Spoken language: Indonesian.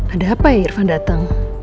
ada apa ya irvan dateng